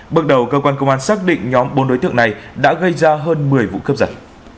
bước đầu cơ quan công an xác định nhóm bốn đối tượng này đã gây ra hơn một mươi vụ cướp giật